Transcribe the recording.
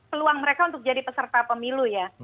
peluang mereka untuk jadi peserta pemilu ya